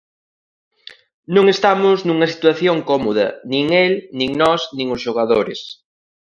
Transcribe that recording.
Non estamos nunha situación cómoda, nin el, nin nós, nin os xogadores.